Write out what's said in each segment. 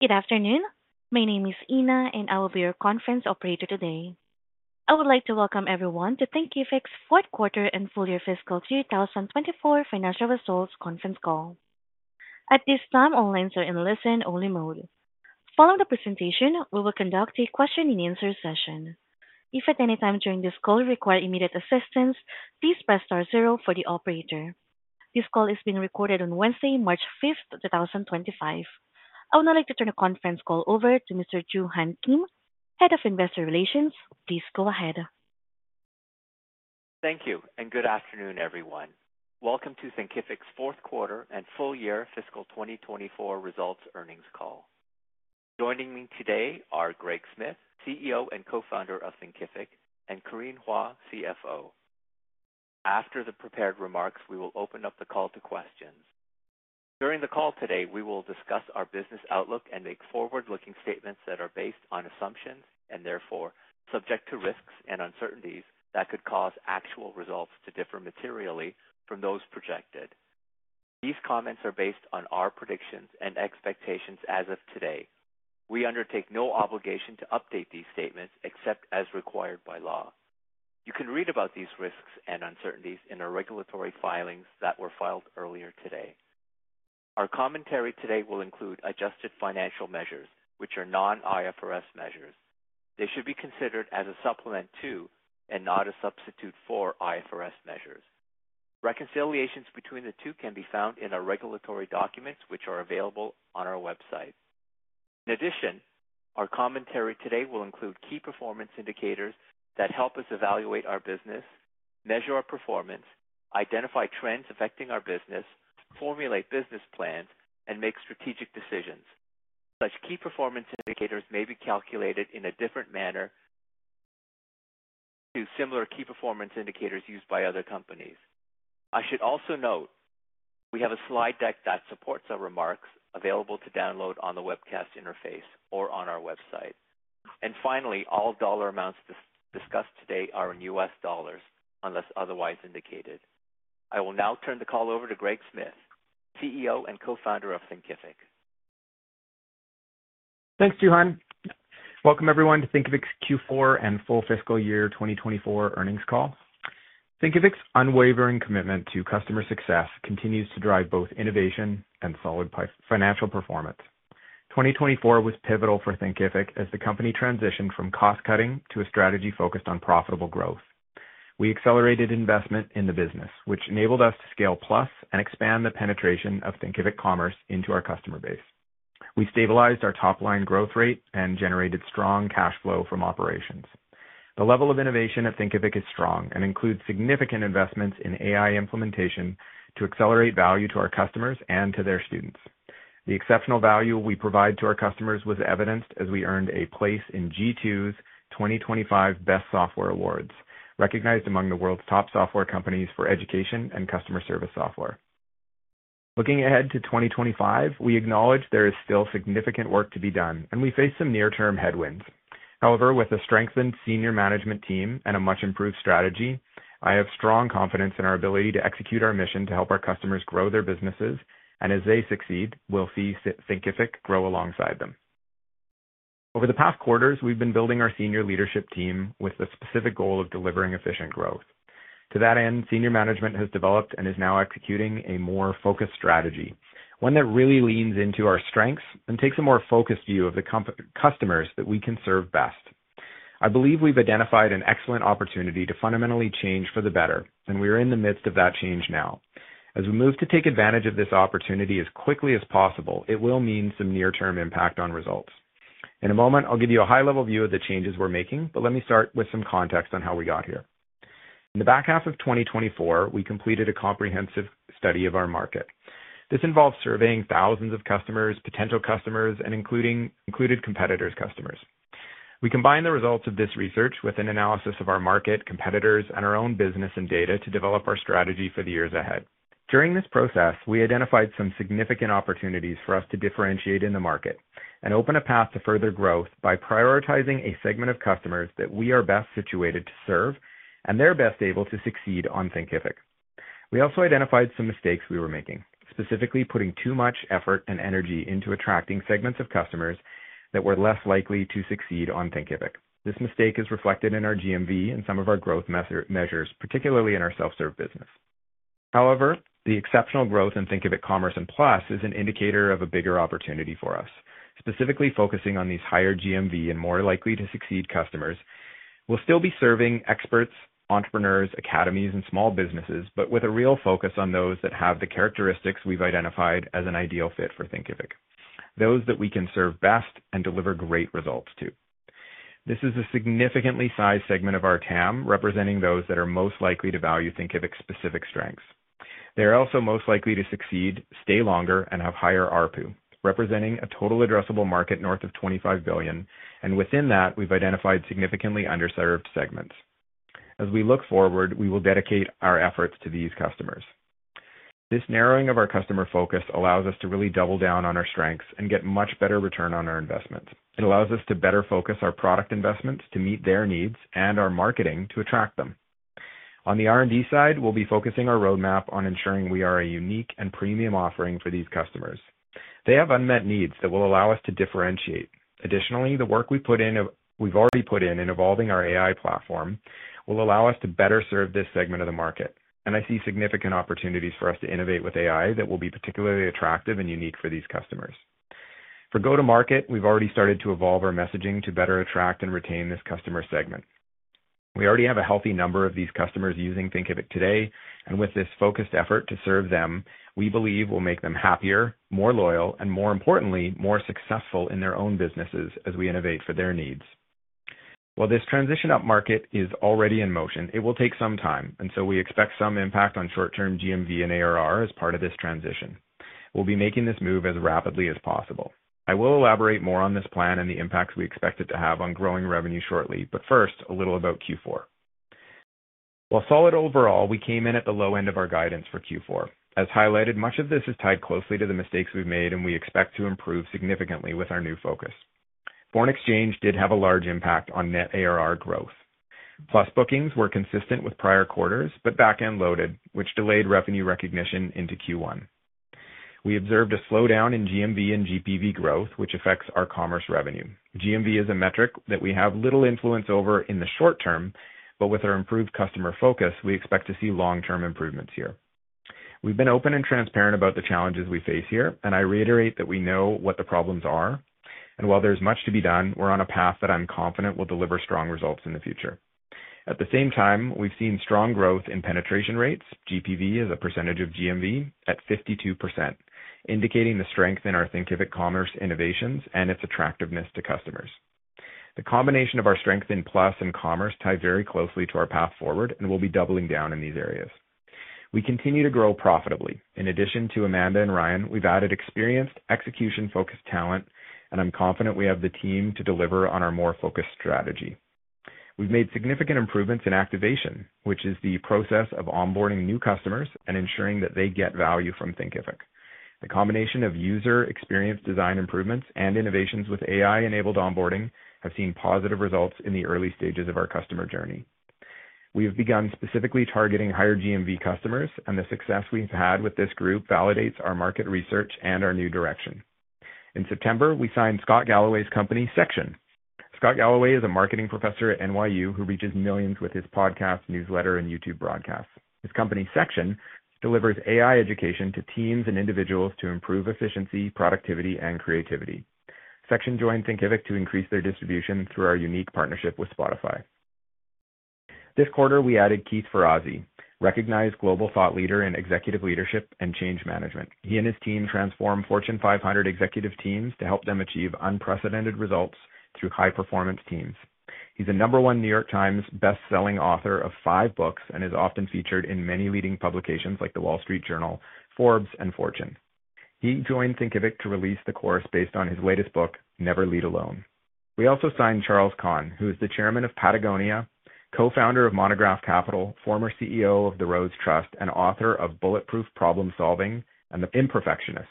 Good afternoon. My name is Inna, and I will be your conference operator today. I would like to welcome everyone to Thinkific's Q4 and Full Year Fiscal 2024 Financial Results Conference Call. At this time, all lines are in listen-only mode. Following the presentation, we will conduct a question-and-answer session. If at any time during this call you require immediate assistance, please press star zero for the operator. This call is being recorded on Wednesday, March 5th, 2025. I would now like to turn the conference call over to Mr. Joo-Hun Kim, Head of Investor Relations. Please go ahead. Thank you, and good afternoon, everyone. Welcome to Thinkific's Q4 and Full Year Fiscal 2024 Results Earnings Call. Joining me today are Greg Smith, CEO and co-founder of Thinkific, and Corinne Hua, CFO. After the prepared remarks, we will open up the call to questions. During the call today, we will discuss our business outlook and make forward-looking statements that are based on assumptions and, therefore, subject to risks and uncertainties that could cause actual results to differ materially from those projected. These comments are based on our predictions and expectations as of today. We undertake no obligation to update these statements except as required by law. You can read about these risks and uncertainties in our regulatory filings that were filed earlier today. Our commentary today will include adjusted financial measures, which are non-IFRS measures. They should be considered as a supplement to and not a substitute for IFRS measures. Reconciliations between the two can be found in our regulatory documents, which are available on our website. In addition, our commentary today will include key performance indicators that help us evaluate our business, measure our performance, identify trends affecting our business, formulate business plans, and make strategic decisions. Such key performance indicators may be calculated in a different manner to similar key performance indicators used by other companies. I should also note we have a slide deck that supports our remarks available to download on the webcast interface or on our website. Finally, all dollar amounts discussed today are in U.S. dollars unless otherwise indicated. I will now turn the call over to Greg Smith, CEO and co-founder of Thinkific. Thanks, Joo-Hun. Welcome, everyone, to Thinkific's Q4 and Full Fiscal Year 2024 Earnings Call. Thinkific's unwavering commitment to customer success continues to drive both innovation and solid financial performance. 2024 was pivotal for Thinkific as the company transitioned from cost-cutting to a strategy focused on profitable growth. We accelerated investment in the business, which enabled us to scale Plus and expand the penetration of Thinkific Commerce into our customer base. We stabilized our top-line growth rate and generated strong cash flow from operations. The level of innovation at Thinkific is strong and includes significant investments in AI integration to accelerate value to our customers and to their students. The exceptional value we provide to our customers was evidenced as we earned a place in G2's 2025 Best Software Awards, recognized among the world's top software companies for education and customer service software. Looking ahead to 2025, we acknowledge there is still significant work to be done, and we face some near-term headwinds. However, with a strengthened senior management team and a much-improved strategy, I have strong confidence in our ability to execute our mission to help our customers grow their businesses, and as they succeed, we'll see Thinkific grow alongside them. Over the past quarters, we've been building our senior leadership team with the specific goal of delivering efficient growth. To that end, senior management has developed and is now executing a more focused strategy, one that really leans into our strengths and takes a more focused view of the customers that we can serve best. I believe we've identified an excellent opportunity to fundamentally change for the better, and we are in the midst of that change now. As we move to take advantage of this opportunity as quickly as possible, it will mean some near-term impact on results. In a moment, I'll give you a high-level view of the changes we're making, but let me start with some context on how we got here. In the back half of 2024, we completed a comprehensive study of our market. This involved surveying thousands of customers, potential customers, and included competitors' customers. We combined the results of this research with an analysis of our market, competitors, and our own business and data to develop our strategy for the years ahead. During this process, we identified some significant opportunities for us to differentiate in the market and open a path to further growth by prioritizing a segment of customers that we are best situated to serve and they're best able to succeed on Thinkific. We also identified some mistakes we were making, specifically putting too much effort and energy into attracting segments of customers that were less likely to succeed on Thinkific. This mistake is reflected in our GMV and some of our growth measures, particularly in our self-serve business. However, the exceptional growth in Thinkific Commerce and Plus is an indicator of a bigger opportunity for us. Specifically focusing on these higher GMV and more likely to succeed customers, we will still be serving experts, entrepreneurs, academies, and small businesses, but with a real focus on those that have the characteristics we have identified as an ideal fit for Thinkific, those that we can serve best and deliver great results to. This is a significantly sized segment of our TAM, representing those that are most likely to value Thinkific's specific strengths. They are also most likely to succeed, stay longer, and have higher RPU, representing a total addressable market north of $25 billion, and within that, we've identified significantly underserved segments. As we look forward, we will dedicate our efforts to these customers. This narrowing of our customer focus allows us to really double down on our strengths and get much better return on our investments. It allows us to better focus our product investments to meet their needs and our marketing to attract them. On the R&D side, we'll be focusing our roadmap on ensuring we are a unique and premium offering for these customers. They have unmet needs that will allow us to differentiate. Additionally, the work we've already put in in evolving our AI platform will allow us to better serve this segment of the market, and I see significant opportunities for us to innovate with AI that will be particularly attractive and unique for these customers. For go-to-market, we've already started to evolve our messaging to better attract and retain this customer segment. We already have a healthy number of these customers using Thinkific today, and with this focused effort to serve them, we believe we'll make them happier, more loyal, and more importantly, more successful in their own businesses as we innovate for their needs. While this transition up market is already in motion, it will take some time, and so we expect some impact on short-term GMV and ARR as part of this transition. We'll be making this move as rapidly as possible. I will elaborate more on this plan and the impacts we expect it to have on growing revenue shortly, but first, a little about Q4. While solid overall, we came in at the low end of our guidance for Q4. As highlighted, much of this is tied closely to the mistakes we've made, and we expect to improve significantly with our new focus. Foreign exchange did have a large impact on net ARR growth. Plus bookings were consistent with prior quarters, but back-end loaded, which delayed revenue recognition into Q1. We observed a slowdown in GMV and GPV growth, which affects our commerce revenue. GMV is a metric that we have little influence over in the short term, but with our improved customer focus, we expect to see long-term improvements here. We've been open and transparent about the challenges we face here, and I reiterate that we know what the problems are, and while there's much to be done, we're on a path that I'm confident will deliver strong results in the future. At the same time, we've seen strong growth in penetration rates. GPV is a percentage of GMV at 52%, indicating the strength in our Thinkific Commerce innovations and its attractiveness to customers. The combination of our strength in Plus and Commerce ties very closely to our path forward, and we'll be doubling down in these areas. We continue to grow profitably. In addition to Amanda and Ryan, we've added experienced, execution-focused talent, and I'm confident we have the team to deliver on our more focused strategy. We've made significant improvements in activation, which is the process of onboarding new customers and ensuring that they get value from Thinkific. The combination of user experience design improvements and innovations with AI-enabled onboarding have seen positive results in the early stages of our customer journey. We have begun specifically targeting higher GMV customers, and the success we've had with this group validates our market research and our new direction. In September, we signed Scott Galloway's company, Section. Scott Galloway is a marketing professor at NYU who reaches millions with his podcast, newsletter, and YouTube broadcasts. The company, Section, delivers AI education to teams and individuals to improve efficiency, productivity, and creativity. Section joined Thinkific to increase their distribution through our unique partnership with Spotify. This quarter, we added Keith Ferrazzi, recognized global thought leader in executive leadership and change management. He and his team transform Fortune 500 executive teams to help them achieve unprecedented results through high-performance teams. He's a number one New York Times best-selling author of five books and is often featured in many leading publications like the Wall Street Journal, Forbes, and Fortune. He joined Thinkific to release the course based on his latest book, Never Lead Alone. We also signed Charles Conn, who is the Chairman of Patagonia, Co-founder of Monograph Capital, former CEO of the Rhodes Trust, and author of Bulletproof Problem Solving and The Imperfectionists.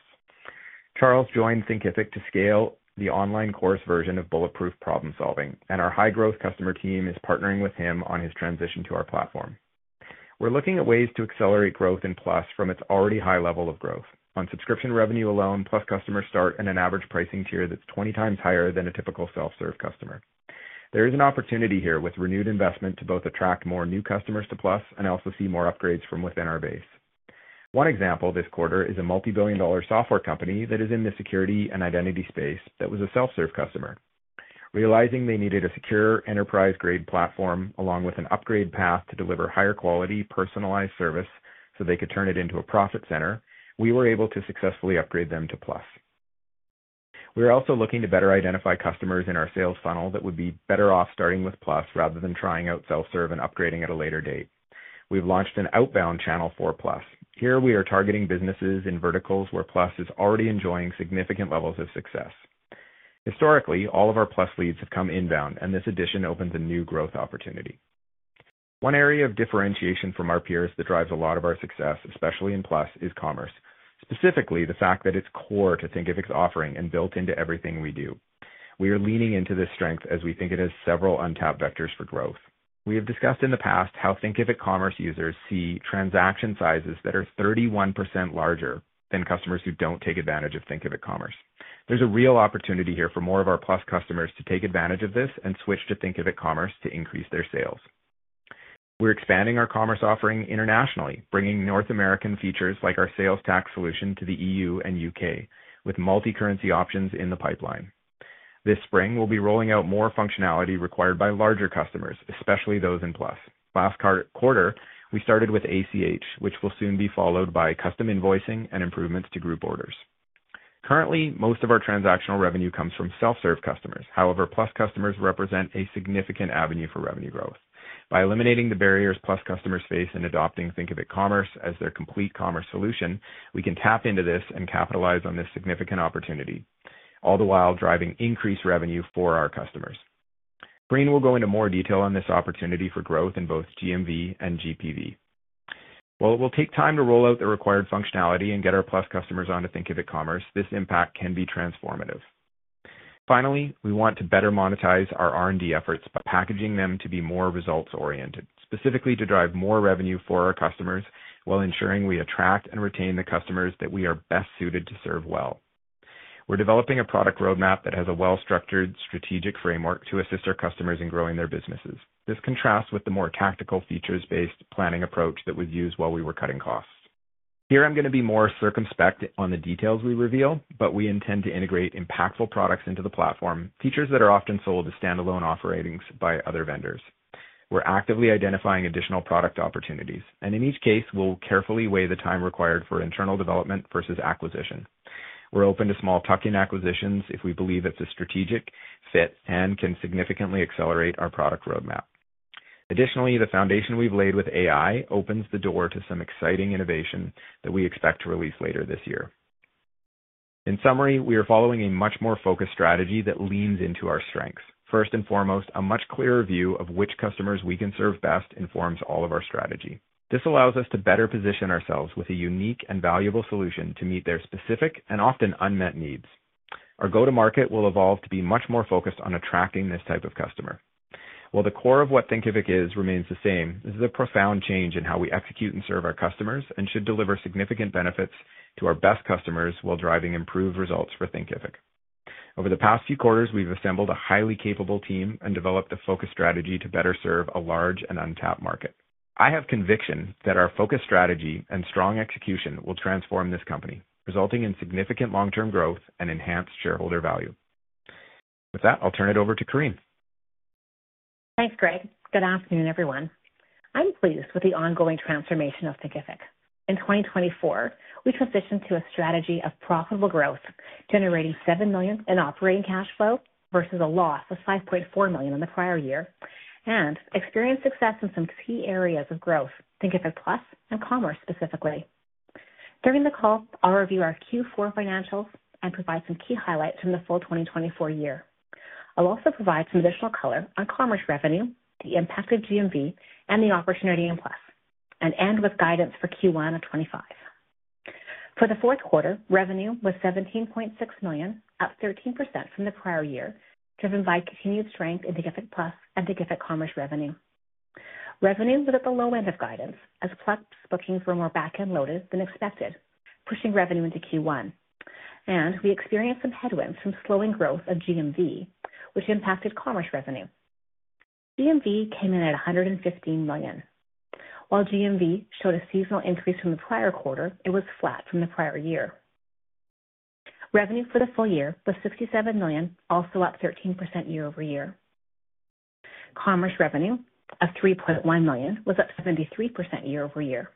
Charles joined Thinkific to scale the online course version of Bulletproof Problem Solving, and our high-growth customer team is partnering with him on his transition to our platform. We're looking at ways to accelerate growth in Plus from its already high level of growth. On subscription revenue alone, Plus customers start in an average pricing tier that's 20 times higher than a typical self-serve customer. There is an opportunity here with renewed investment to both attract more new customers to Plus and also see more upgrades from within our base. One example this quarter is a multi-billion-dollar software company that is in the security and identity space that was a self-serve customer. Realizing they needed a secure enterprise-grade platform along with an upgrade path to deliver higher-quality personalized service so they could turn it into a profit center, we were able to successfully upgrade them to Plus. We are also looking to better identify customers in our sales funnel that would be better off starting with Plus rather than trying out self-serve and upgrading at a later date. We've launched an outbound channel for Plus. Here, we are targeting businesses in verticals where Plus is already enjoying significant levels of success. Historically, all of our Plus leads have come inbound, and this addition opens a new growth opportunity. One area of differentiation from our peers that drives a lot of our success, especially in Plus, is commerce, specifically the fact that it's core to Thinkific's offering and built into everything we do. We are leaning into this strength as we think it has several untapped vectors for growth. We have discussed in the past how Thinkific Commerce users see transaction sizes that are 31% larger than customers who don't take advantage of Thinkific Commerce. There's a real opportunity here for more of our Plus customers to take advantage of this and switch to Thinkific Commerce to increase their sales. We're expanding our commerce offering internationally, bringing North American features like our sales tax solution to the EU and U.K., with multi-currency options in the pipeline. This spring, we'll be rolling out more functionality required by larger customers, especially those in Plus. Last quarter, we started with ACH, which will soon be followed by custom invoicing and improvements to group orders. Currently, most of our transactional revenue comes from self-serve customers. However, Plus customers represent a significant avenue for revenue growth. By eliminating the barriers Plus customers face in adopting Thinkific Commerce as their complete commerce solution, we can tap into this and capitalize on this significant opportunity, all the while driving increased revenue for our customers. Corinne will go into more detail on this opportunity for growth in both GMV and GPV. While it will take time to roll out the required functionality and get our Plus customers onto Thinkific Commerce, this impact can be transformative. Finally, we want to better monetize our R&D efforts by packaging them to be more results-oriented, specifically to drive more revenue for our customers while ensuring we attract and retain the customers that we are best suited to serve well. We're developing a product roadmap that has a well-structured strategic framework to assist our customers in growing their businesses. This contrasts with the more tactical features-based planning approach that was used while we were cutting costs. Here, I'm going to be more circumspect on the details we reveal, but we intend to integrate impactful products into the platform, features that are often sold as standalone offerings by other vendors. We're actively identifying additional product opportunities, and in each case, we'll carefully weigh the time required for internal development versus acquisition. We're open to small tuck-in acquisitions if we believe it's a strategic fit and can significantly accelerate our product roadmap. Additionally, the foundation we've laid with AI opens the door to some exciting innovation that we expect to release later this year. In summary, we are following a much more focused strategy that leans into our strengths. First and foremost, a much clearer view of which customers we can serve best informs all of our strategy. This allows us to better position ourselves with a unique and valuable solution to meet their specific and often unmet needs. Our go-to-market will evolve to be much more focused on attracting this type of customer. While the core of what Thinkific is remains the same, this is a profound change in how we execute and serve our customers and should deliver significant benefits to our best customers while driving improved results for Thinkific. Over the past few quarters, we've assembled a highly capable team and developed a focused strategy to better serve a large and untapped market. I have conviction that our focused strategy and strong execution will transform this company, resulting in significant long-term growth and enhanced shareholder value. With that, I'll turn it over to Corinne. Thanks, Greg. Good afternoon, everyone. I'm pleased with the ongoing transformation of Thinkific. In 2024, we transitioned to a strategy of profitable growth, generating $7 million in operating cash flow versus a loss of $5.4 million in the prior year, and experienced success in some key areas of growth, Thinkific Plus and Commerce specifically. During the call, I'll review our Q4 financials and provide some key highlights from the full 2024 year. I'll also provide some additional color on commerce revenue, the impact of GMV, and the opportunity in Plus, and end with guidance for Q1 of 2025. For the Q4, revenue was $17.6 million, up 13% from the prior year, driven by continued strength in Thinkific Plus and Thinkific Commerce revenue. Revenue was at the low end of guidance, as Plus bookings were more back-end loaded than expected, pushing revenue into Q1, and we experienced some headwinds from slowing growth of GMV, which impacted commerce revenue. GMV came in at $115 million. While GMV showed a seasonal increase from the prior quarter, it was flat from the prior year. Revenue for the full year was $67 million, also up 13% year-over-year. Commerce revenue of $3.1 million was up 73% year-over-year.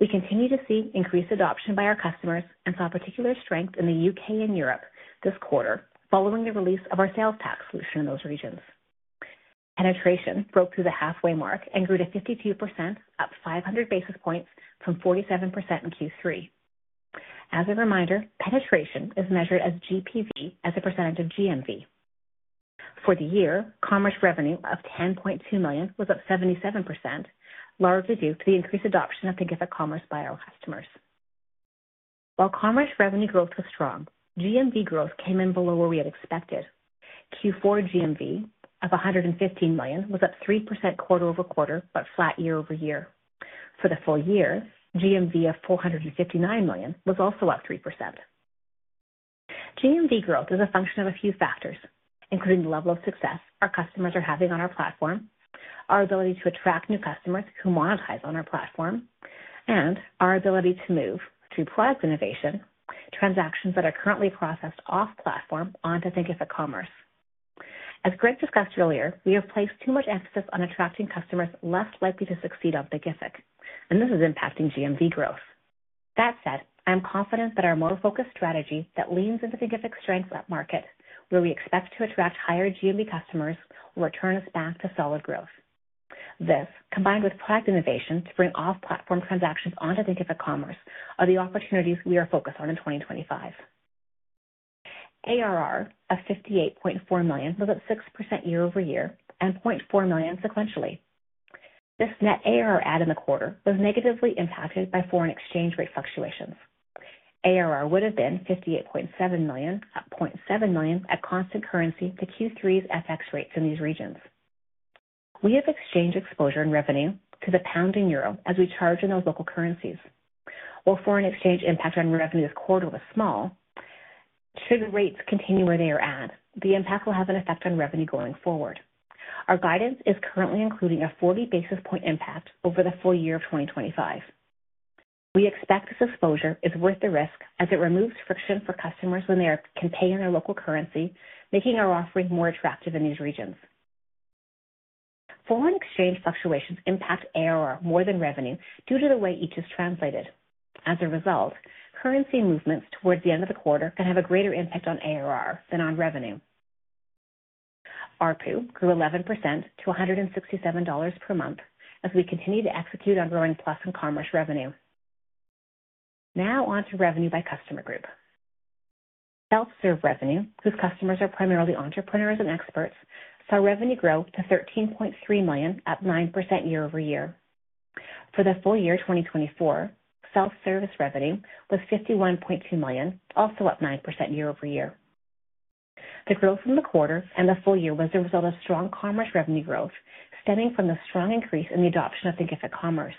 We continue to see increased adoption by our customers and saw particular strength in the U.K. and Europe this quarter, following the release of our sales tax solution in those regions. Penetration broke through the halfway mark and grew to 52%, up 500 basis points from 47% in Q3. As a reminder, penetration is measured as GPV, as a percentage of GMV. For the year, commerce revenue of $10.2 million was up 77%, largely due to the increased adoption of Thinkific Commerce by our customers. While commerce revenue growth was strong, GMV growth came in below what we had expected. Q4 GMV of $115 million was up 3% quarter-over-quarter, but flat year-over-year. For the full year, GMV of $459 million was also up 3%. GMV growth is a function of a few factors, including the level of success our customers are having on our platform, our ability to attract new customers who monetize on our platform, and our ability to move through product innovation, transactions that are currently processed off-platform onto Thinkific Commerce. As Greg discussed earlier, we have placed too much emphasis on attracting customers less likely to succeed on Thinkific, and this is impacting GMV growth. That said, I'm confident that our more focused strategy that leans into Thinkific's strengths at market, where we expect to attract higher GMV customers, will return us back to solid growth. This, combined with product innovation to bring off-platform transactions onto Thinkific Commerce, are the opportunities we are focused on in 2025. ARR of $58.4 million was up 6% year-over-year and $0.4 million sequentially. This net ARR add in the quarter was negatively impacted by foreign exchange rate fluctuations. ARR would have been $58.7 million at constant currency to Q3's FX rates in these regions. We have exchange exposure and revenue to the pound and euro as we charge in those local currencies. While foreign exchange impact on revenue this quarter was small, should rates continue where they are at, the impact will have an effect on revenue going forward. Our guidance is currently including a 40 basis point impact over the full year of 2025. We expect this exposure is worth the risk as it removes friction for customers when they can pay in their local currency, making our offering more attractive in these regions. Foreign exchange fluctuations impact ARR more than revenue due to the way each is translated. As a result, currency movements towards the end of the quarter can have a greater impact on ARR than on revenue. Our RPU grew 11% to $167 per month as we continue to execute on growing Plus and Commerce revenue. Now on to revenue by customer group. Self-serve revenue, whose customers are primarily entrepreneurs and experts, saw revenue grow to $13.3 million at 9% year-over-year. For the full year 2024, self-serve revenue was $51.2 million, also up 9% year-over-year. The growth from the quarter and the full year was the result of strong Commerce revenue growth stemming from the strong increase in the adoption of Thinkific Commerce.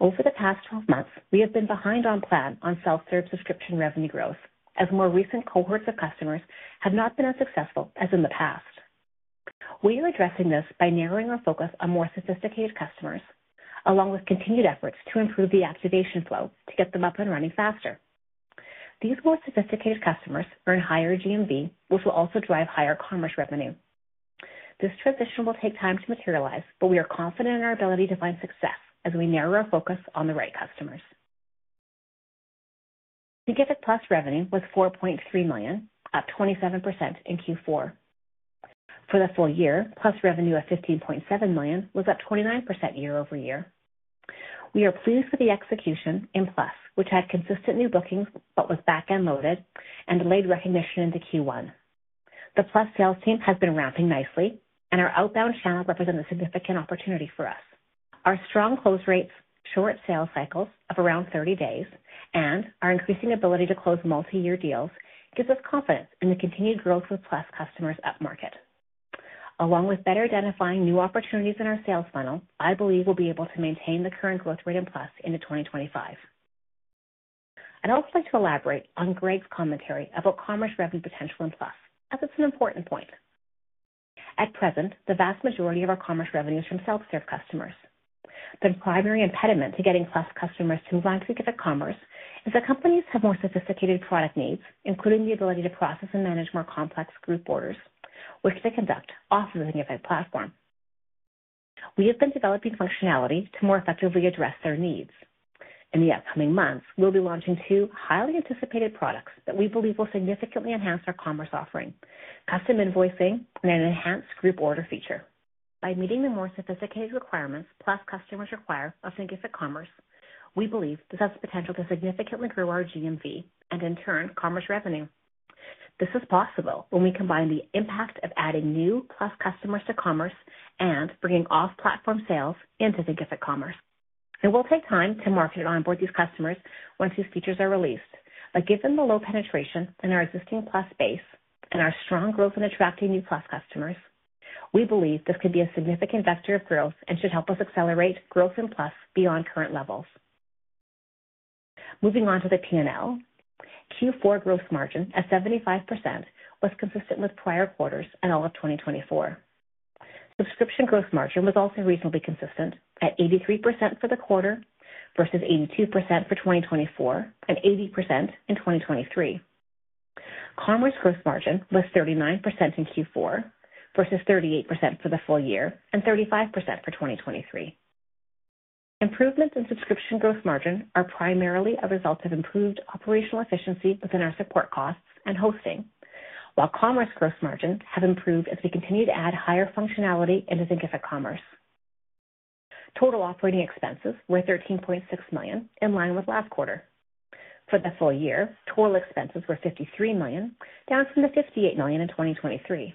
Over the past 12 months, we have been behind on plan on self-serve subscription revenue growth as more recent cohorts of customers have not been as successful as in the past. We are addressing this by narrowing our focus on more sophisticated customers, along with continued efforts to improve the activation flow to get them up and running faster. These more sophisticated customers earn higher GMV, which will also drive higher commerce revenue. This transition will take time to materialize, but we are confident in our ability to find success as we narrow our focus on the right customers. Thinkific Plus revenue was $4.3 million, up 27% in Q4. For the full year, Plus revenue of $15.7 million was up 29% year-over-year. We are pleased with the execution in Plus, which had consistent new bookings but was back-end loaded and delayed recognition into Q1. The Plus sales team has been ramping nicely, and our outbound channel represents a significant opportunity for us. Our strong close rates, short sales cycles of around 30 days, and our increasing ability to close multi-year deals gives us confidence in the continued growth of Plus customers at market. Along with better identifying new opportunities in our sales funnel, I believe we'll be able to maintain the current growth rate in Plus into 2025. I'd also like to elaborate on Greg's commentary about commerce revenue potential in Plus, as it's an important point. At present, the vast majority of our commerce revenue is from self-serve customers. The primary impediment to getting Plus customers to move on to Thinkific Commerce is that companies have more sophisticated product needs, including the ability to process and manage more complex group orders, which they conduct off of the Thinkific platform. We have been developing functionality to more effectively address their needs. In the upcoming months, we'll be launching two highly anticipated products that we believe will significantly enhance our commerce offering: custom invoicing and an enhanced group order feature. By meeting the more sophisticated requirements Plus customers require of Thinkific Commerce, we believe this has the potential to significantly grow our GMV and, in turn, commerce revenue. This is possible when we combine the impact of adding new Plus customers to commerce and bringing off-platform sales into Thinkific Commerce. It will take time to market and onboard these customers once these features are released, but given the low penetration in our existing Plus base and our strong growth in attracting new Plus customers, we believe this could be a significant vector of growth and should help us accelerate growth in Plus beyond current levels. Moving on to the P&L, Q4 gross margin at 75% was consistent with prior quarters and all of 2024. Subscription gross margin was also reasonably consistent at 83% for the quarter versus 82% for 2024 and 80% in 2023. Commerce gross margin was 39% in Q4 versus 38% for the full year and 35% for 2023. Improvements in subscription gross margin are primarily a result of improved operational efficiency within our support costs and hosting, while commerce gross margins have improved as we continue to add higher functionality into Thinkific Commerce. Total operating expenses were 13.6 million, in line with last quarter. For the full year, total expenses were 53 million, down from the 58 million in 2023.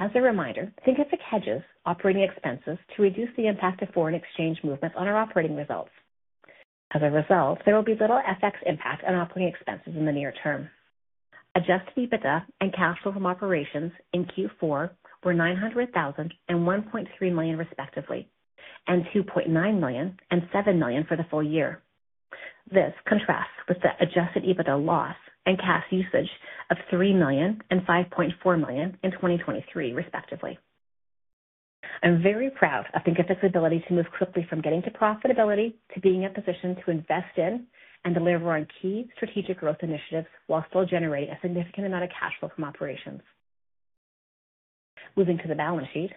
As a reminder, Thinkific hedges operating expenses to reduce the impact of foreign exchange movements on our operating results. As a result, there will be little FX impact on operating expenses in the near term. Adjusted EBITDA and cash flow from operations in Q4 were $900,000 and $1.3 million respectively, and $2.9 million and $7 million for the full year. This contrasts with the adjusted EBITDA loss and cash usage of $3 million and $5.4 million in 2023 respectively. I'm very proud of Thinkific's ability to move quickly from getting to profitability to being in a position to invest in and deliver on key strategic growth initiatives while still generating a significant amount of cash flow from operations. Moving to the balance sheet,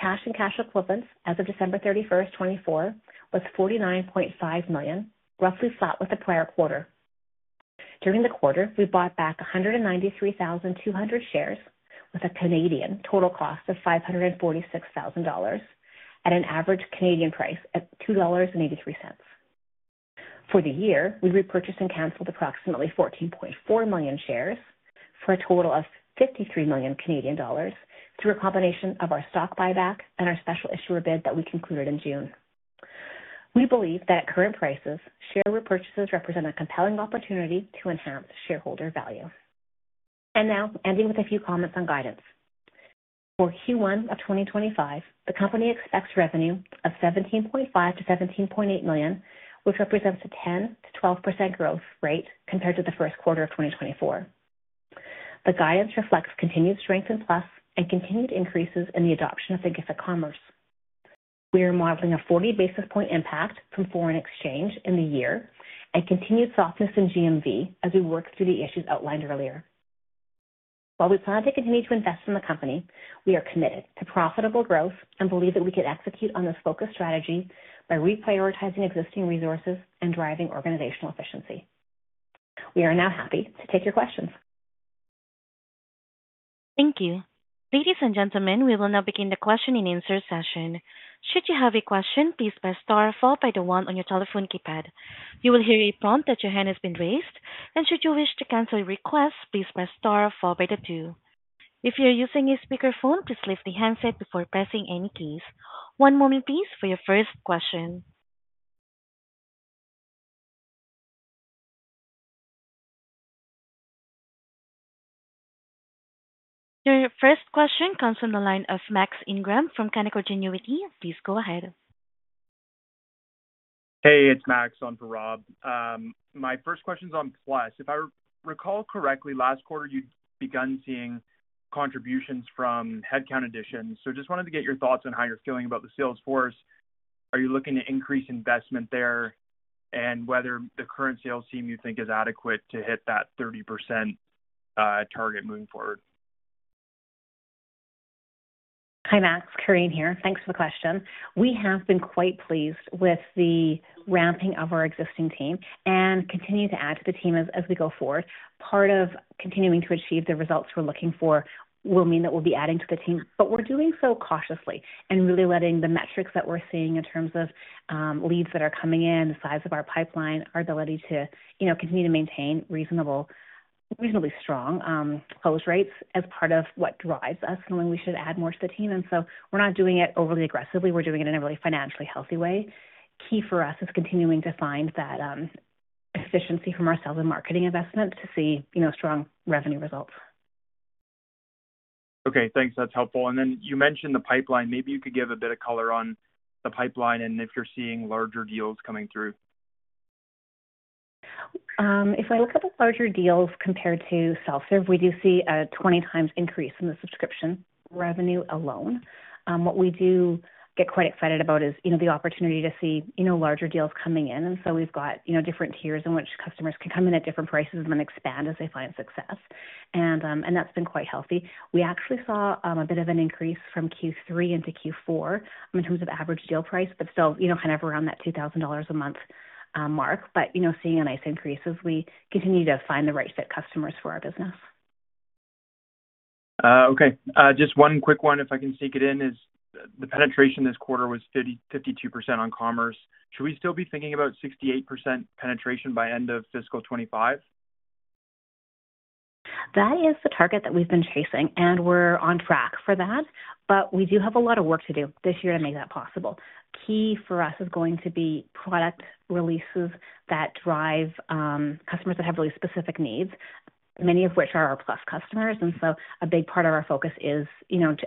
cash and cash equivalents as of December 31, 2024, was $49.5 million, roughly flat with the prior quarter. During the quarter, we bought back 193,200 shares with a CAD 546,000 total cost at an average CAD 2.83 price. For the year, we repurchased and canceled approximately 14.4 million shares for a total of 53 million Canadian dollars through a combination of our stock buyback and our special issuer bid that we concluded in June. We believe that at current prices, share repurchases represent a compelling opportunity to enhance shareholder value. Now, ending with a few comments on guidance. For Q1 of 2025, the company expects revenue of 17.5-17.8 million, which represents a 10-12% growth rate compared to the Q1 of 2024. The guidance reflects continued strength in Plus and continued increases in the adoption of Thinkific Commerce. We are modeling a 40 basis point impact from foreign exchange in the year and continued softness in GMV as we work through the issues outlined earlier. While we plan to continue to invest in the company, we are committed to profitable growth and believe that we can execute on this focused strategy by reprioritizing existing resources and driving organizational efficiency. We are now happy to take your questions. Thank you. Ladies and gentlemen, we will now begin the question and answer session. Should you have a question, please press star followed by the one on your telephone keypad. You will hear a prompt that your hand has been raised, and should you wish to cancel your request, please press star followed by the two. If you're using a speakerphone, please lift the handset before pressing any keys. One moment please for your first question. Your first question comes from the line of Max Ingram from Canaccord Genuity. Please go ahead. Hey, it's Max on for Rob. My first question is on Plus. If I recall correctly, last quarter you'd begun seeing contributions from headcount additions. I just wanted to get your thoughts on how you're feeling about the sales force. Are you looking to increase investment there and whether the current sales team you think is adequate to hit that 30% target moving forward? Hi Max, Corinne here. Thanks for the question. We have been quite pleased with the ramping of our existing team and continue to add to the team as we go forward. Part of continuing to achieve the results we're looking for will mean that we'll be adding to the team, but we're doing so cautiously and really letting the metrics that we're seeing in terms of leads that are coming in, the size of our pipeline, our ability to continue to maintain reasonably strong close rates as part of what drives us knowing we should add more to the team. We're not doing it overly aggressively. We're doing it in a really financially healthy way. Key for us is continuing to find that efficiency from our sales and marketing investment to see strong revenue results. Okay, thanks. That's helpful. You mentioned the pipeline. Maybe you could give a bit of color on the pipeline and if you're seeing larger deals coming through. If I look at the larger deals compared to self-serve, we do see a 20 times increase in the subscription revenue alone. What we do get quite excited about is the opportunity to see larger deals coming in. We have different tiers in which customers can come in at different prices and then expand as they find success. That has been quite healthy. We actually saw a bit of an increase from Q3 into Q4 in terms of average deal price, but still kind of around that $2,000 a month mark, but seeing a nice increase as we continue to find the right-fit customers for our business. Okay. Just one quick one, if I can sneak it in, is the penetration this quarter was 52% on commerce. Should we still be thinking about 68% penetration by end of fiscal 2025? That is the target that we've been chasing, and we're on track for that, but we do have a lot of work to do this year to make that possible. Key for us is going to be product releases that drive customers that have really specific needs, many of which are our Plus customers. A big part of our focus is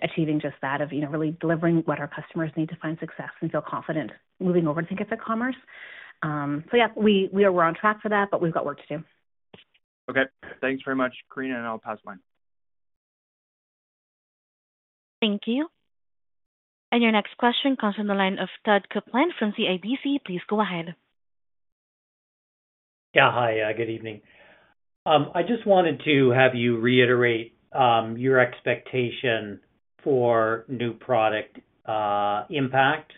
achieving just that of really delivering what our customers need to find success and feel confident moving over to Thinkific Commerce. Yeah, we are on track for that, but we've got work to do. Okay. Thanks very much, Corinne, and I'll pass the line. Thank you. Your next question comes from the line of Todd Coupland from CIBC. Please go ahead. Yeah, Hi. Good evening. I just wanted to have you reiterate your expectation for new product impact.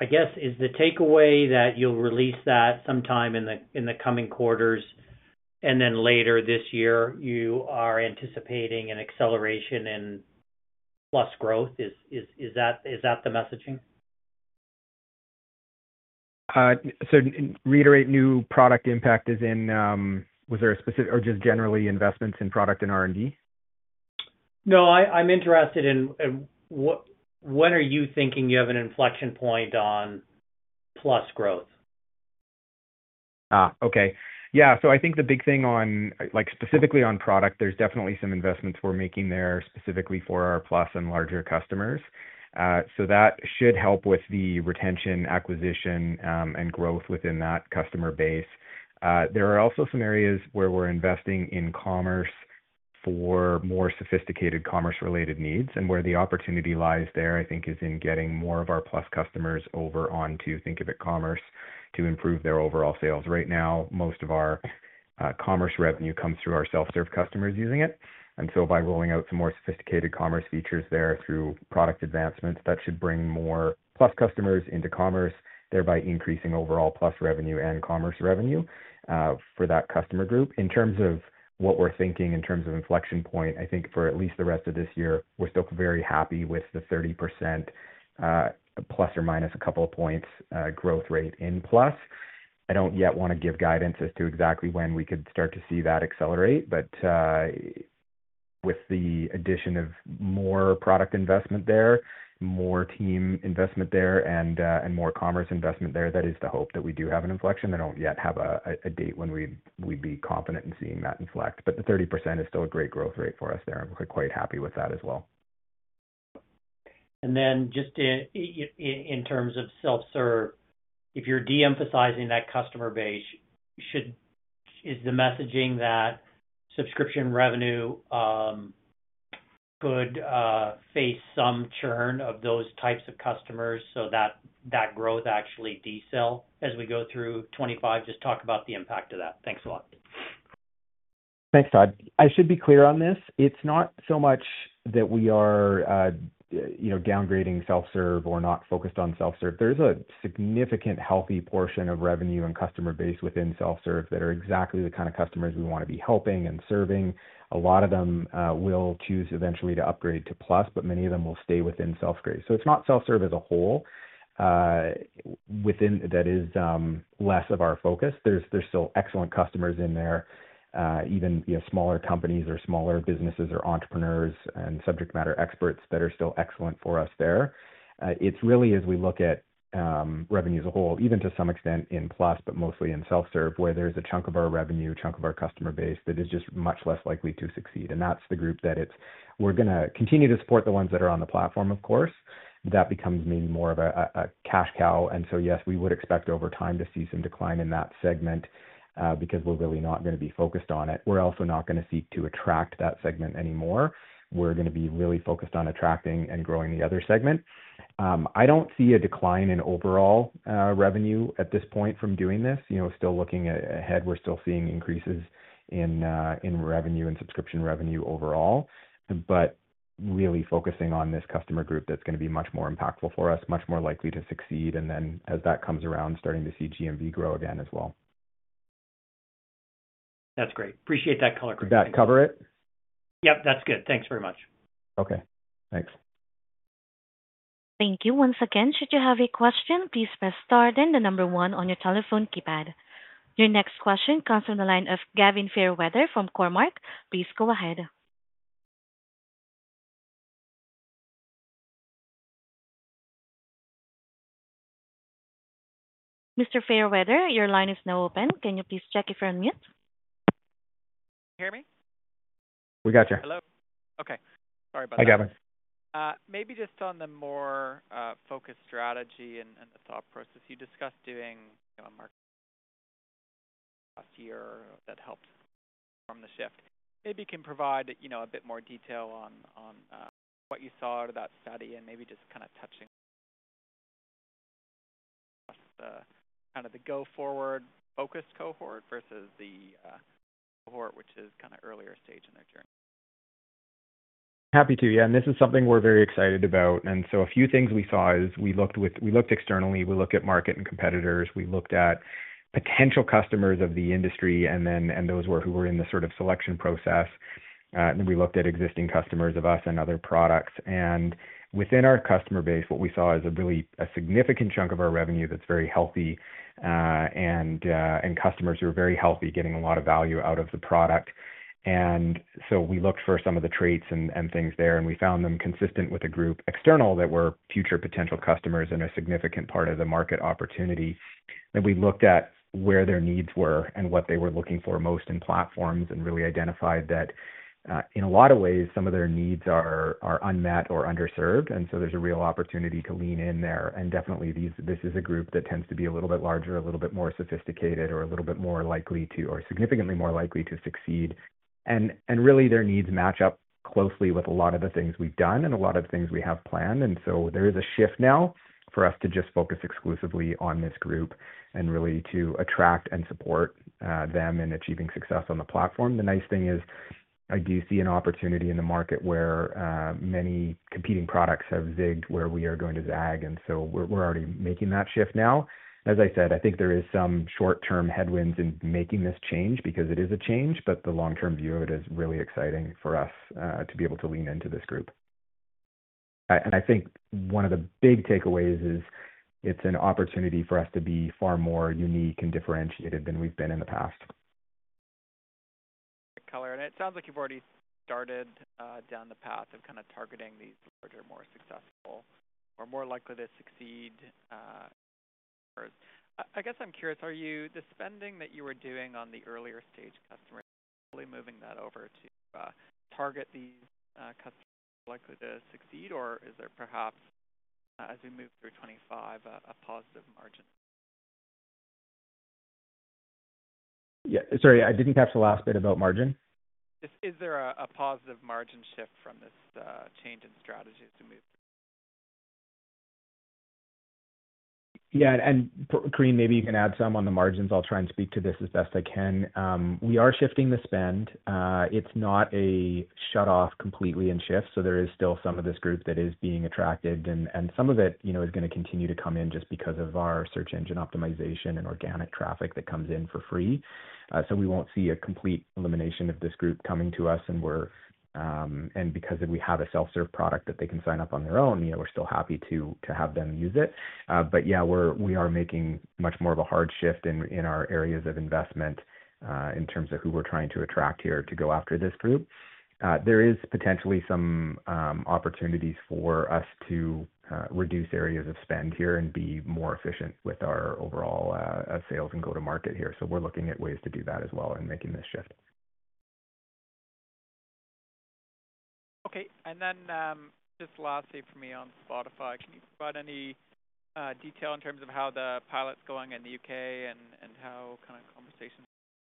I guess is the takeaway that you'll release that sometime in the coming quarters and then later this year, you are anticipating an acceleration in Plus growth. Is that the messaging? So Reiterate new product impact as in, was there a specific or just generally investments in product and R&D? No, I'm interested in when are you thinking you have an inflection point on Plus growth. Okay. Yeah. I think the big thing specifically on product, there's definitely some investments we're making there specifically for our Plus and larger customers. That should help with the retention, acquisition, and growth within that customer base. There are also some areas where we're investing in commerce for more sophisticated commerce-related needs, and where the opportunity lies there, I think, is in getting more of our Plus customers over onto Thinkific Commerce to improve their overall sales. Right now, most of our commerce revenue comes through our self-serve customers using it. By rolling out some more sophisticated commerce features there through product advancements, that should bring more Plus customers into commerce, thereby increasing overall Plus revenue and commerce revenue for that customer group. In terms of what we're thinking in terms of inflection point, I think for at least the rest of this year, we're still very happy with the 30% plus or minus a couple of points growth rate in Plus. I don't yet want to give guidance as to exactly when we could start to see that accelerate, but with the addition of more product investment there, more team investment there, and more commerce investment there, that is the hope that we do have an inflection. I do not yet have a date when we would be confident in seeing that inflect, but the 30% is still a great growth rate for us there, and we are quite happy with that as well. And then just in terms of self-serve, if you are de-emphasizing that customer base, is the messaging that subscription revenue could face some churn of those types of customers so that growth actually decels as we go through 2025? Just talk about the impact of that. Thanks a lot. Thanks, Todd. I should be clear on this. It is not so much that we are downgrading self-serve or not focused on self-serve. There is a significant healthy portion of revenue and customer base within self-serve that are exactly the kind of customers we want to be helping and serving. A lot of them will choose eventually to upgrade to Plus, but many of them will stay within self-serve. So It is not self-serve as a whole that is less of our focus. There are still excellent customers in there, even smaller companies or smaller businesses or entrepreneurs and subject matter experts that are still excellent for us there. It is really as we look at revenues as a whole, even to some extent in Plus, but mostly in self-serve, where there is a chunk of our revenue, a chunk of our customer base that is just much less likely to succeed. That is the group that we are going to continue to support, the ones that are on the platform, of course. That becomes maybe more of a cash cow. Yes, we would expect over time to see some decline in that segment because we are really not going to be focused on it. We are also not going to seek to attract that segment anymore. We're going to be really focused on attracting and growing the other segment. I don't see a decline in overall revenue at this point from doing this. Still looking ahead, we're still seeing increases in revenue and subscription revenue overall, but really focusing on this customer group that's going to be much more impactful for us, much more likely to succeed, and then as that comes around, starting to see GMV grow again as well. That's great. Appreciate that color correction. Did that cover it? Yep, that's good. Thanks very much. Okay. Thanks. Thank you once again. Should you have a question, please press star then the number one on your telephone keypad. Your next question comes from the line of Gavin Fairweather from Cormark. Please go ahead. Mr. Fairweather, your line is now open. Can you please check if you're on mute? Can you hear me? We got you. Hello? Okay. Sorry about that. Hi, Gavin. Maybe just on the more focused strategy and the thought process. You discussed doing a market last year that helped form the shift. Maybe you can provide a bit more detail on what you saw out of that study and maybe just kind of touching kind of the go-forward-focused cohort versus the cohort which is kind of earlier stage in their journey. Happy to, yeah. This is something we're very excited about. A few things we saw is we looked externally. We looked at market and competitors. We looked at potential customers of the industry, and those who were in the sort of selection process. We looked at existing customers of us and other products. Within our customer base, what we saw is a really significant chunk of our revenue that's very healthy and customers who are very healthy getting a lot of value out of the product. We looked for some of the traits and things there, and we found them consistent with a group external that were future potential customers and a significant part of the market opportunity. We looked at where their needs were and what they were looking for most in platforms and really identified that in a lot of ways, some of their needs are unmet or underserved. There is a real opportunity to lean in there. Definitely, this is a group that tends to be a little bit larger, a little bit more sophisticated, or a little bit more likely to, or significantly more likely to succeed. And their needs match up closely with a lot of the things we've done and a lot of the things we have planned. There is a shift now for us to just focus exclusively on this group and really to attract and support them in achieving success on the platform. The nice thing is I do see an opportunity in the market where many competing products have zigged where we are going to zag. We're already making that shift now. As I said, I think there are some short-term headwinds in making this change because it is a change, but the long-term view of it is really exciting for us to be able to lean into this group. I think one of the big takeaways is it's an opportunity for us to be far more unique and differentiated than we've been in the past. Great color. It sounds like you've already started down the path of kind of targeting these larger, more successful or more likely to succeed customers. I guess I'm curious, the spending that you were doing on the earlier stage customers, are you moving that over to target these customers more likely to succeed, or is there perhaps, as we move through 2025, a positive margin? Yeah. Sorry, I didn't catch the last bit about margin. Is there a positive margin shift from this change in strategy as we move through? Yeah. Corinne, maybe you can add some on the margins. I'll try and speak to this as best I can. We are shifting the spend. It's not a shutoff completely in shift. There is still some of this group that is being attracted, and some of it is going to continue to come in just because of our search engine optimization and organic traffic that comes in for free. We will not see a complete elimination of this group coming to us. Because we have a self-serve product that they can sign up on their own, we are still happy to have them use it. Yeah, we are making much more of a hard shift in our areas of investment in terms of who we are trying to attract here to go after this group. There are potentially some opportunities for us to reduce areas of spend here and be more efficient with our overall sales and go-to-market here. We are looking at ways to do that as well and making this shift. Okay. Lastly for me on Spotify, can you provide any detail in terms of how the pilot's going in the U.K. and how kind of conversations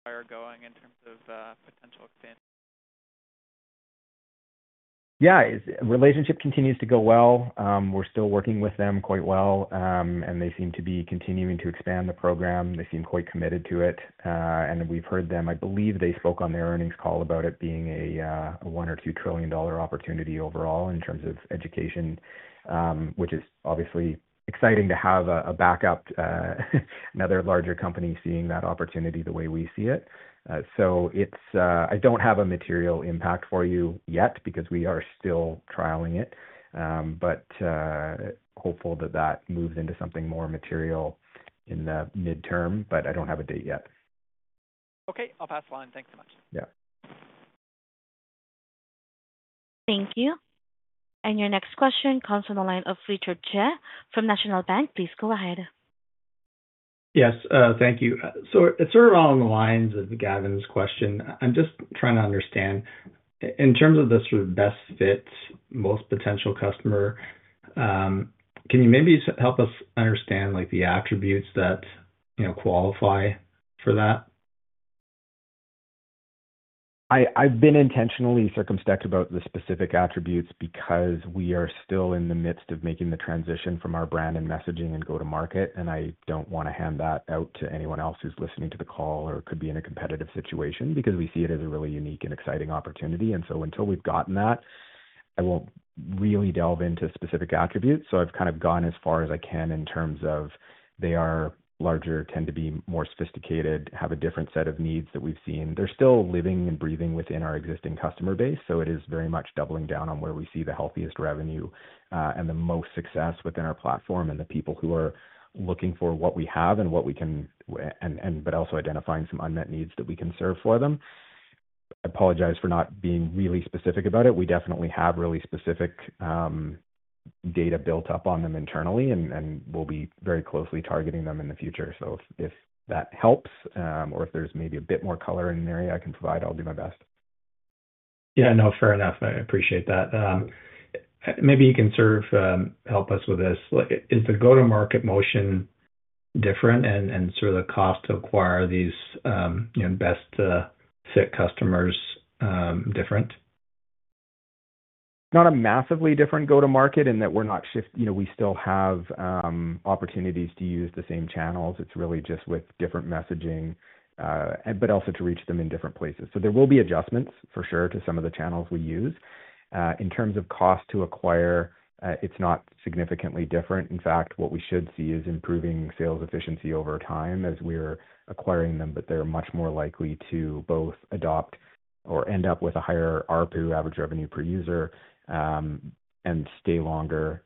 are going in terms of potential expansion? Yeah. Relationship continues to go well. We're still working with them quite well, and they seem to be continuing to expand the program. They seem quite committed to it. We've heard them, I believe they spoke on their earnings call about it being a one or two trillion dollar opportunity overall in terms of education, which is obviously exciting to have a backup, another larger company seeing that opportunity the way we see it. So it's, I don't have a material impact for you yet because we are still trialing it, but hopeful that that moves into something more material in the midterm, but I don't have a date yet. Okay. I'll pass the line. Thanks so much. Yeah. Thank you. Your next question comes from the line of Richard Tse from National Bank. Please go ahead. Yes. Thank you. It is sort of along the lines of Gavin's question. I am just trying to understand in terms of the sort of best fit, most potential customer, can you maybe help us understand the attributes that qualify for that? I have been intentionally circumspect about the specific attributes because we are still in the midst of making the transition from our brand and messaging and go-to-market, and I do not want to hand that out to anyone else who is listening to the call or could be in a competitive situation because we see it as a really unique and exciting opportunity. Until we have gotten that, I will not really delve into specific attributes. I've kind of gone as far as I can in terms of they are larger, tend to be more sophisticated, have a different set of needs that we've seen. They're still living and breathing within our existing customer base. It is very much doubling down on where we see the healthiest revenue and the most success within our platform and the people who are looking for what we have and what we can, but also identifying some unmet needs that we can serve for them. I apologize for not being really specific about it. We definitely have really specific data built up on them internally, and we'll be very closely targeting them in the future. If that helps or if there's maybe a bit more color in an area I can provide, I'll do my best. Yeah. No, fair enough. I appreciate that. Maybe you can help us with this. Is the go-to-market motion different and sort of the cost to acquire these best-fit customers different? Not a massively different go-to-market in that we're not shifting. We still have opportunities to use the same channels. It's really just with different messaging, but also to reach them in different places. There will be adjustments for sure to some of the channels we use. In terms of cost to acquire, it's not significantly different. In fact, what we should see is improving sales efficiency over time as we're acquiring them, but they're much more likely to both adopt or end up with a higher RPU, average revenue per user, and stay longer,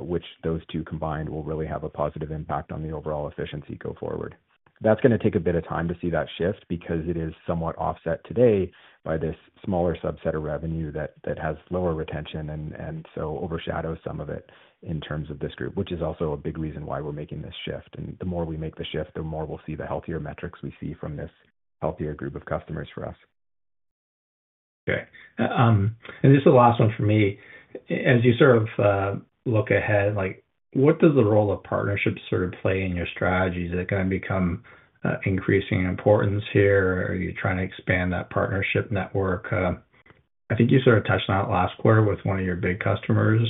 which those two combined will really have a positive impact on the overall efficiency go-forward. That's going to take a bit of time to see that shift because it is somewhat offset today by this smaller subset of revenue that has lower retention and so overshadows some of it in terms of this group, which is also a big reason why we're making this shift. The more we make the shift, the more we'll see the healthier metrics we see from this healthier group of customers for us. Okay. This is the last one for me. As you sort of look ahead, what does the role of partnerships sort of play in your strategies? Is it going to become increasing in importance here? Are you trying to expand that partnership network? I think you sort of touched on it last quarter with one of your big customers,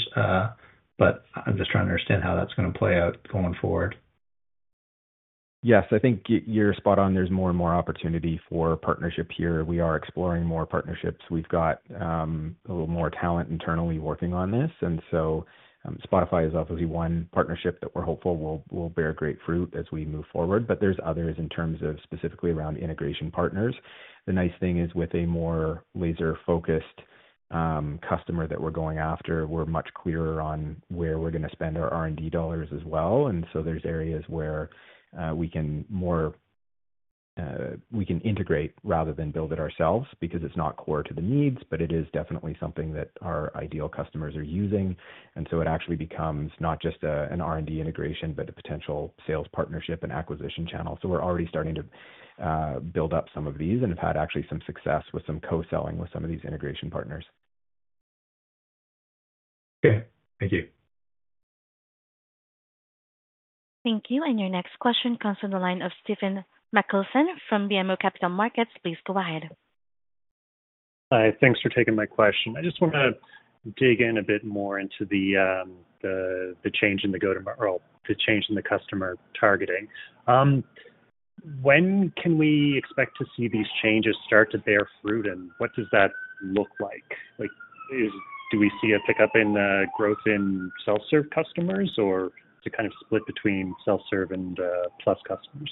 but I'm just trying to understand how that's going to play out going forward. Yes. I think you're spot on. There's more and more opportunity for partnership here. We are exploring more partnerships. We've got a little more talent internally working on this. Spotify is obviously one partnership that we're hopeful will bear great fruit as we move forward, but there's others in terms of specifically around integration partners. The nice thing is with a more laser-focused customer that we're going after, we're much clearer on where we're going to spend our R&D dollars as well. So there's areas where we can integrate rather than build it ourselves because it's not core to the needs, but it is definitely something that our ideal customers are using. It actually becomes not just an R&D integration, but a potential sales partnership and acquisition channel. We're already starting to build up some of these and have had actually some success with some co-selling with some of these integration partners. Okay. Thank you. Thank you. Your next question comes from the line of Stephen Machielsen from BMO Capital Markets. Please go ahead. Hi. Thanks for taking my question. I just want to dig in a bit more into the change in the go-to-market or the change in the customer targeting. When can we expect to see these changes start to bear fruit, and what does that look like? Do we see a pickup in growth in self-serve customers, or is it kind of split between self-serve and Plus customers?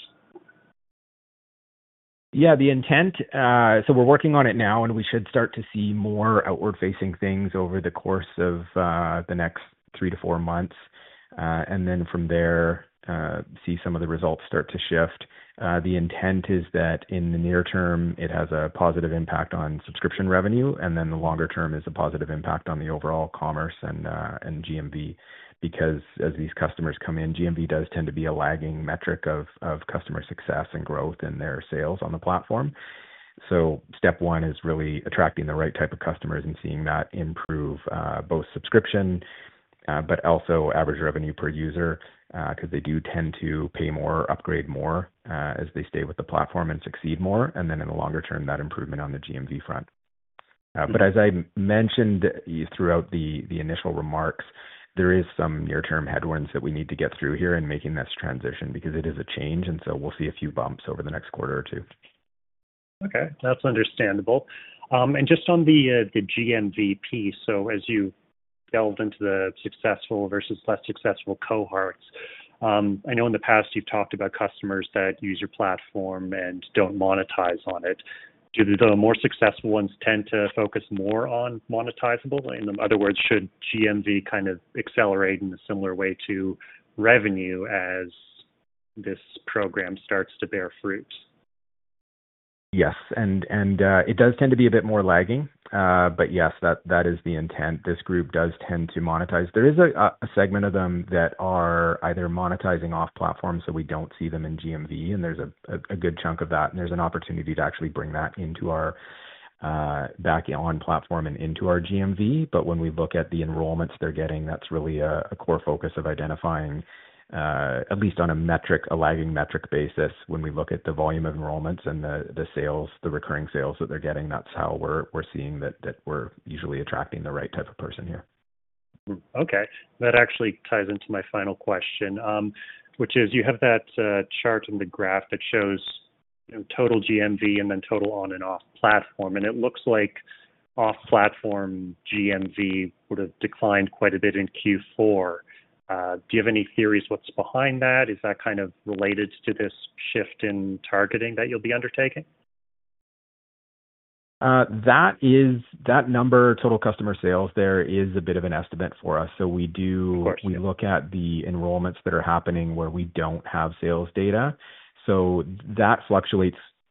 Yeah. We're working on it now, and we should start to see more outward-facing things over the course of the next three to four months. From there, see some of the results start to shift. The intent is that in the near term, it has a positive impact on subscription revenue, and in the longer term is a positive impact on the overall commerce and GMV because as these customers come in, GMV does tend to be a lagging metric of customer success and growth in their sales on the platform. Step one is really attracting the right type of customers and seeing that improve both subscription, but also average revenue per user because they do tend to pay more, upgrade more as they stay with the platform and succeed more. In the longer term, that improvement on the GMV front. As I mentioned throughout the initial remarks, there are some near-term headwinds that we need to get through here in making this transition because it is a change. We will see a few bumps over the next quarter or two. Okay. That is understandable. Just on the GMV piece, as you delved into the successful versus less successful cohorts, I know in the past you have talked about customers that use your platform and do not monetize on it. Do the more successful ones tend to focus more on monetizable? In other words, should GMV kind of accelerate in a similar way to revenue as this program starts to bear fruit? Yes. It does tend to be a bit more lagging, but yes, that is the intent. This group does tend to monetize. There is a segment of them that are either monetizing off-platform, so we do not see them in GMV, and there is a good chunk of that. There is an opportunity to actually bring that back on platform and into our GMV. When we look at the enrollments they're getting, that's really a core focus of identifying, at least on a metric, a lagging metric basis. When we look at the volume of enrollments and the recurring sales that they're getting, that's how we're seeing that we're usually attracting the right type of person here. Okay. That actually ties into my final question, which is you have that chart and the graph that shows total GMV and then total on-and-off platform. It looks like off-platform GMV would have declined quite a bit in Q4. Do you have any theories what's behind that? Is that kind of related to this shift in targeting that you'll be undertaking? That number, total customer sales, there is a bit of an estimate for us. We look at the enrollments that are happening where we don't have sales data.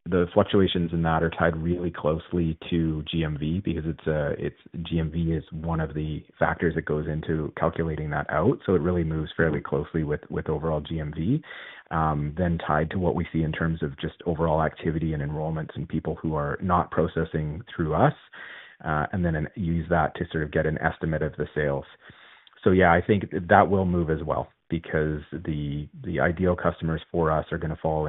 The fluctuations in that are tied really closely to GMV because GMV is one of the factors that goes into calculating that out. It really moves fairly closely with overall GMV, then tied to what we see in terms of just overall activity and enrollments and people who are not processing through us, and then use that to sort of get an estimate of the sales. So I think that will move as well because the ideal customers for us are going to fall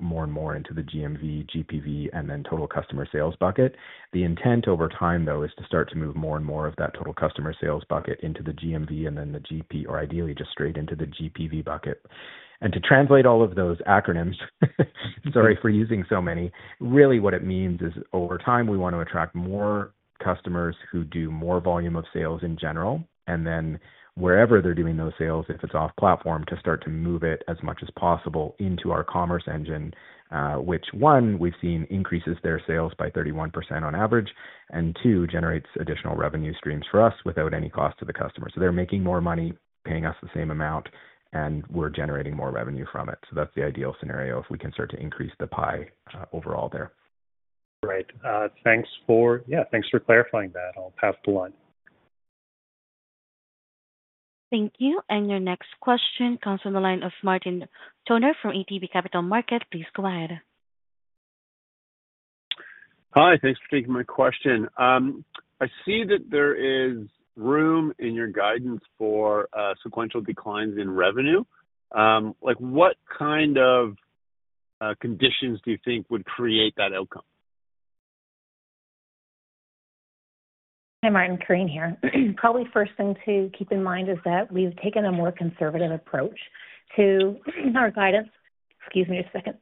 more and more into the GMV, GPV, and then total customer sales bucket. The intent over time, though, is to start to move more and more of that total customer sales bucket into the GMV and then the GP, or ideally just straight into the GPV bucket. And to translate all of those acronyms, sorry for using so many, really what it means is over time we want to attract more customers who do more volume of sales in general. Wherever they're doing those sales, if it's off-platform, to start to move it as much as possible into our commerce engine, which, one, we've seen increases their sales by 31% on average, and two, generates additional revenue streams for us without any cost to the customer. They're making more money, paying us the same amount, and we're generating more revenue from it. That's the ideal scenario if we can start to increase the pie overall there. Great. Yeah. Thanks for clarifying that. I'll pass the line. Thank you. Your next question comes from the line of Martin Toner from ATB Capital Markets. Please go ahead. Hi. Thanks for taking my question. I see that there is room in your guidance for sequential declines in revenue. What kind of conditions do you think would create that outcome? Hi Martin, Corinne here. Probably first thing to keep in mind is that we've taken a more conservative approach to our guidance. Excuse me a second.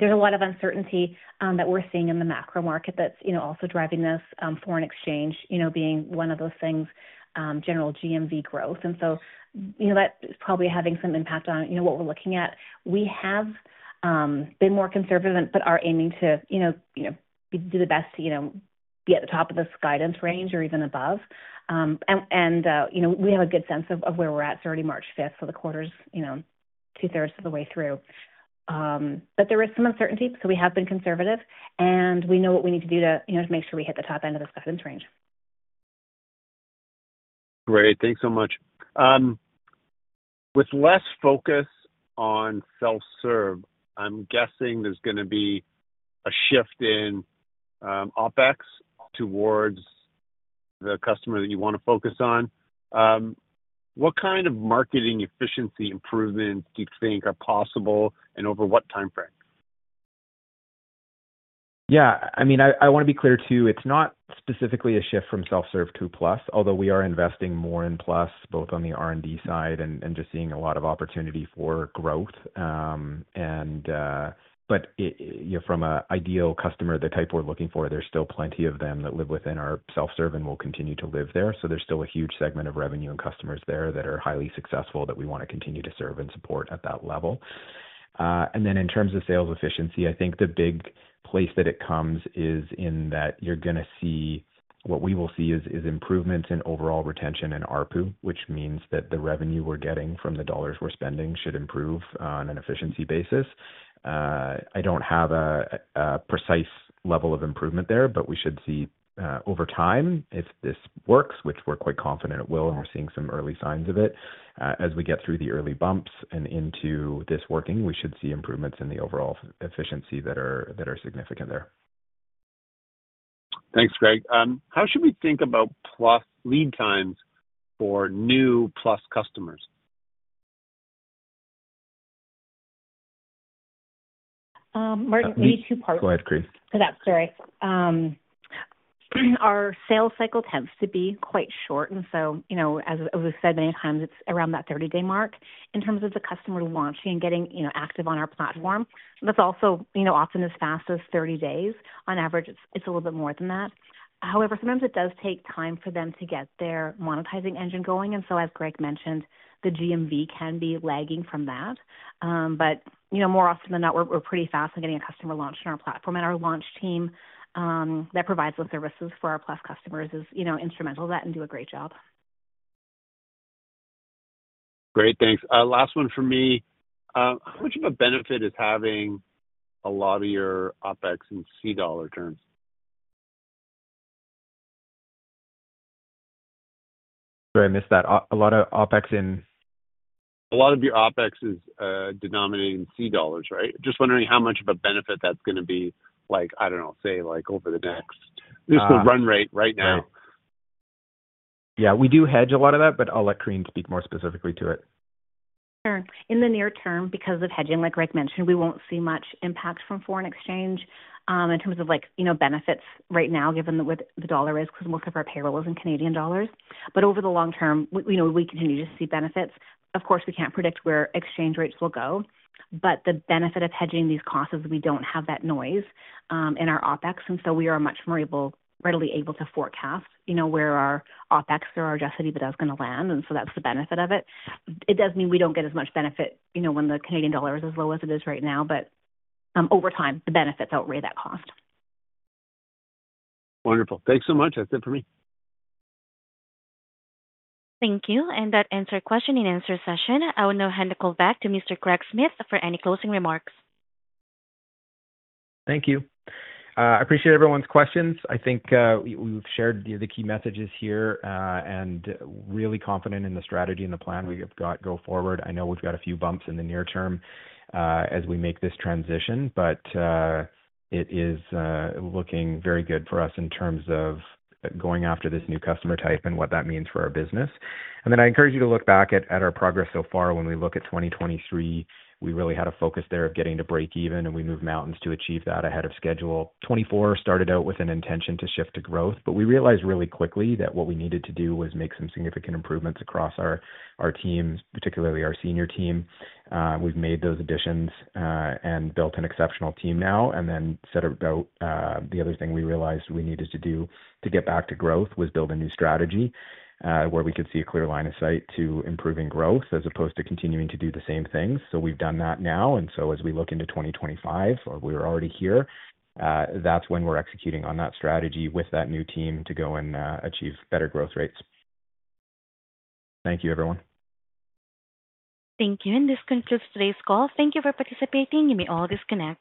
There's a lot of uncertainty that we're seeing in the macro market that's also driving this, foreign exchange being one of those things, general GMV growth. That is probably having some impact on what we're looking at. We have been more conservative but are aiming to do the best to be at the top of this guidance range or even above. We have a good sense of where we're at, so already March 5th, so the quarter's two-thirds of the way through. There is some uncertainty, so we have been conservative, and we know what we need to do to make sure we hit the top end of this guidance range. Great. Thanks so much. With less focus on self-serve, I'm guessing there's going to be a shift in OpEx towards the customer that you want to focus on. What kind of marketing efficiency improvements do you think are possible and over what time frame? Yeah. I mean, I want to be clear too. It's not specifically a shift from self-serve to Plus, although we are investing more in Plus both on the R&D side and just seeing a lot of opportunity for growth. From an ideal customer, the type we're looking for, there's still plenty of them that live within our self-serve and will continue to live there. There is still a huge segment of revenue and customers there that are highly successful that we want to continue to serve and support at that level. In terms of sales efficiency, I think the big place that it comes is in that you are going to see what we will see is improvements in overall retention and RPU, which means that the revenue we are getting from the dollars we are spending should improve on an efficiency basis. I do not have a precise level of improvement there, but we should see over time if this works, which we are quite confident it will, and we are seeing some early signs of it. As we get through the early bumps and into this working, we should see improvements in the overall efficiency that are significant there. Thanks, Greg. How should we think about lead times for new Plus customers? Martin, maybe two parts. Go ahead, Corinne. For that sorry. Our sales cycle tends to be quite short, and as we've said many times, it's around that 30-day mark in terms of the customer launching and getting active on our platform. That's also often as fast as 30 days. On average, it's a little bit more than that. However, sometimes it does take time for them to get their monetizing engine going. As Greg mentioned, the GMV can be lagging from that. More often than not, we're pretty fast in getting a customer launched on our platform, and our launch team that provides the services for our Plus customers is instrumental to that and do a great job. Great. Thanks. Last one for me. How much of a benefit is having a lot of your OpEx in Canadian dollar terms? Sorry, I missed that. A lot of OpEx in? A lot of your OpEx is denominated in Canadian dollars, right? Just wondering how much of a benefit that's going to be, I don't know, say over the next just the run rate right now. Yeah. We do hedge a lot of that, but I'll let Corinne speak more specifically to it. Sure. In the near term, because of hedging, like Greg mentioned, we won't see much impact from foreign exchange in terms of benefits right now, given the way the dollar is, because most of our payroll is in Canadian dollars. Over the long term, we continue to see benefits. Of course, we can't predict where exchange rates will go, but the benefit of hedging these costs is we don't have that noise in our OpEx. We are much more readily able to forecast where our OpEx or our adjusted EBITDA is going to land, and that's the benefit of it. It does mean we don't get as much benefit when the Canadian dollar is as low as it is right now, but over time, the benefits outweigh that cost. Wonderful. Thanks so much. That's it for me. Thank you. That ends our question and answer session. I will now hand the call back to Mr. Greg Smith for any closing remarks. Thank you. I appreciate everyone's questions. I think we've shared the key messages here and really confident in the strategy and the plan we've got going forward. I know we've got a few bumps in the near term as we make this transition, but it is looking very good for us in terms of going after this new customer type and what that means for our business. I encourage you to look back at our progress so far. When we look at 2023, we really had a focus there of getting to break even, and we moved mountains to achieve that ahead of schedule. 2024 started out with an intention to shift to growth, but we realized really quickly that what we needed to do was make some significant improvements across our teams, particularly our senior team. We've made those additions and built an exceptional team now. The other thing we realized we needed to do to get back to growth was build a new strategy where we could see a clear line of sight to improving growth as opposed to continuing to do the same things. We have done that now. As we look into 2025, or we are already here, that is when we are executing on that strategy with that new team to go and achieve better growth rates. Thank you, everyone. Thank you. This concludes today's call. Thank you for participating. You may all disconnect.